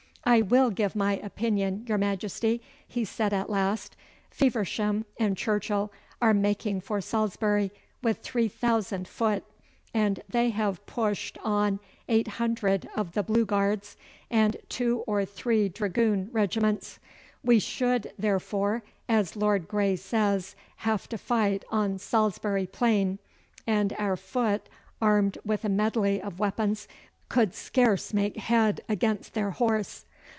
'I will give my opinion, your Majesty,' he said at last. 'Feversham and Churchill are making for Salisbury with three thousand foot, and they have pushed on eight hundred of the Blue Guards, and two or three dragoon regiments. We should, therefore, as Lord Grey says, have to fight on Salisbury Plain, and our foot armed with a medley of weapons could scarce make head against their horse.